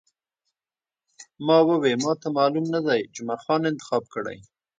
ما وویل، ما ته معلوم نه دی، جمعه خان انتخاب کړی.